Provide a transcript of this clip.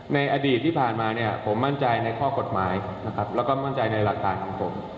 ในอดีตที่ผ่านมาผมมั่นใจในข้อกฎหมายแล้วก็มั่นใจในระดาษของผม